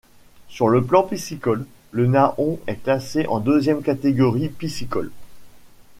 Sur le plan piscicole, le Naon est classé en deuxième catégorie piscicole.